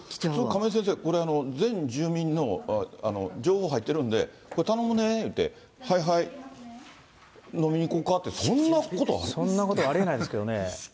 亀井先生、これは全住民の情報入ってるんで、これ、頼むね言うて、はいはい、飲みに行こかって、そんなことありえないですけどね。